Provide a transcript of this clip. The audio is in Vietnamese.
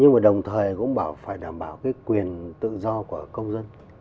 nhưng mà đồng thời cũng phải đảm bảo quyền tự do của công dân